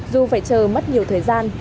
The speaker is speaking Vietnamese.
dù phải chờ mất nhiều thời gian